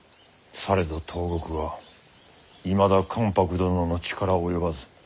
されど東国はいまだ関白殿の力及ばず。